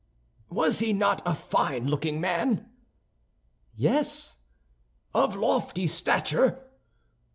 "Was he not a fine looking man?" "Yes." "Of lofty stature."